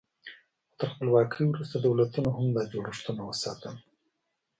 خو تر خپلواکۍ وروسته دولتونو هم دا جوړښتونه وساتل.